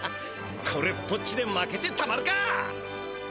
これっぽっちで負けてたまるか！